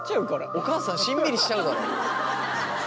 お母さんしんみりしちゃうだろ。